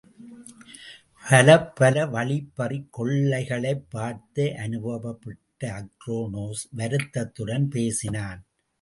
பலப்பல வழிப்பறிக் கொள்ளைகளைப் பார்த்து அனுபவப்பட்ட அக்ரோனோஸ் வருத்தத்துடன் பேசினான்.